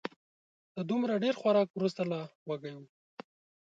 د دومره ډېر خوراک وروسته لا وږی و